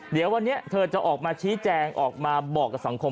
เดี๋ยววันนี้เธอจะออกมาชี้แจงออกมาบอกกับสังคม